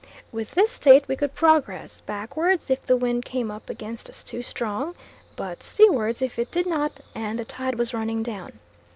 With this state we could progress, backwards if the wind came up against us too strong, but seawards if it did not, and the tide was running down.